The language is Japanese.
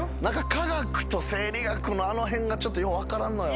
化学と生理学のあのへんがちょっとよう分からんのよ。